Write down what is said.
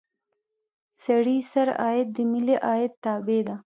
سړي سر عاید د ملي عاید تابع ده.